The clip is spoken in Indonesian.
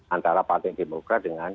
antara partai demokrat dengan